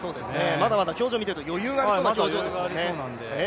まだまだ表情を見ていると余裕がありそうですもんね。